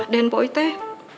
dan boy teh